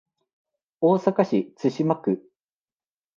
大阪市都島区